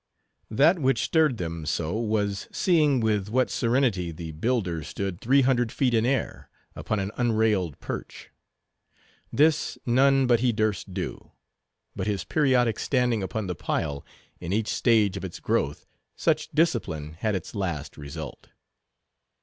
That which stirred them so was, seeing with what serenity the builder stood three hundred feet in air, upon an unrailed perch. This none but he durst do. But his periodic standing upon the pile, in each stage of its growth—such discipline had its last result.